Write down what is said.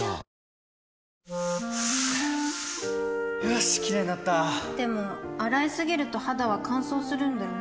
よしキレイになったでも、洗いすぎると肌は乾燥するんだよね